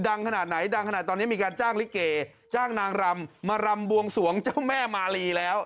ขนาดไหนดังขนาดตอนนี้มีการจ้างลิเกจ้างนางรำมารำบวงสวงเจ้าแม่มาลีแล้ว